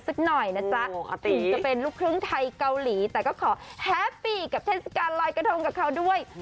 สักหน่อยนะจ๊ะถึงจะเป็นลูกครึ่งไทยเกาหลีแต่ก็ขอแฮปปี้กับเทศกาลลอยกระทงกับเขาด้วย